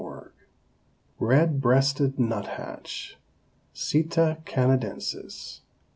] RED BREASTED NUTHATCH. (_Sitta canadensis.